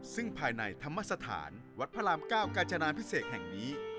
ซึ่งภายในธรรมสถานวัดพระราม๙กาญจนาพิเศษแห่งนี้